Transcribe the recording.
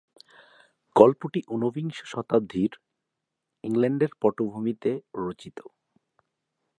গল্পটি উনবিংশ শতাব্দীর ইংল্যান্ডের পটভূমিতে রচিত।